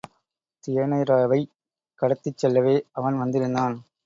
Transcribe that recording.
தியனைராவைக் கடத்திச் செல்லவே அவன் வந்திருந்தான்.